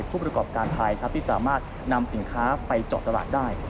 ผู้ประกอบการไทยครับที่สามารถนำสินค้าไปเจาะตลาดได้